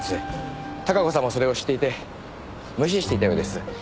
孝子さんもそれを知っていて無視していたようです。